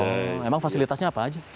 oh emang fasilitasnya apa aja